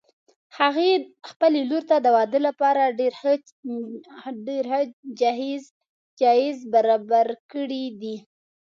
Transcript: هغې خپلې لور ته د واده لپاره ډېر ښه جهیز برابر کړي دي